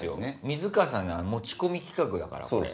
水川さんの持ち込み企画だからこれ。